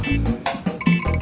iya tapi sekalian operasi